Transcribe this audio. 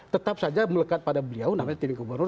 tetap saja melekat pada beliau namanya tg gubernur